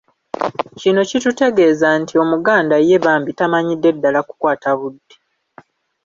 Kino kitutegeeza nti Omuganda ye bambi tamanyidde ddala kukwata budde